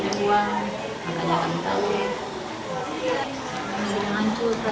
ini dulu lewat seorang yang telpon lagi disiksa